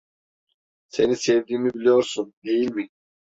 Seni sevdiğimi biliyorsun, değil mi?